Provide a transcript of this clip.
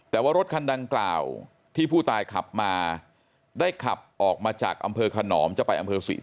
แต่ว่ารถคันดังกล่าวที่ผู้ตายขับมาได้ขับออกมาจากอำเภอขนอมจะไปอำเภอศรี